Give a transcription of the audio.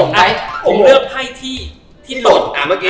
ผมเลือกไพ่ที่หล่น